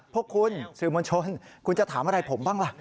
พวกคุณสื่อมวลชนคุณจะถามอะไรผมบ้างล่ะ